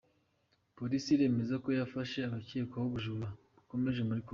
Polisi iremeza ko yafashe abakekwaho ubujura bukomeye muri Kongo